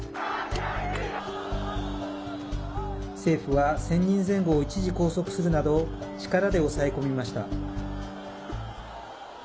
政府は、１０００人前後を一時拘束するなど力で押さえ込みました。